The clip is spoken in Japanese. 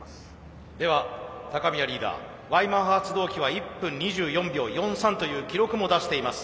では高宮リーダーＹマハ発動機は１分２４秒４３という記録も出しています。